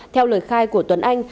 theo lời khai của tuấn anh